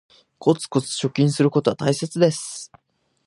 コツコツ貯金することは大切です